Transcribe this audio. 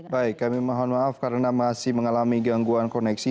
baik kami mohon maaf karena masih mengalami gangguan koneksi